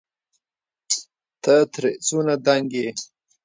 ته ترې څونه دنګ يې